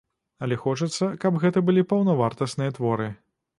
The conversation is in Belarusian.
Але хочацца, каб гэта былі паўнавартасныя творы.